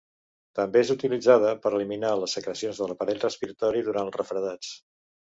També és utilitzada per a eliminar les secrecions de l'aparell respiratori durant els refredats.